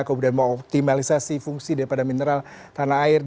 kemudian mau optimalisasi fungsi daripada mineral tanah air